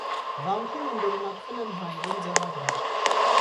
Վանքում ընդօրինակվել են հայերեն ձեռագրեր։